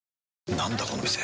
なんだこの店。